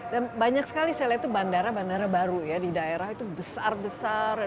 banyak sekali saya lihat itu bandara bandara baru ya di daerah itu besar besar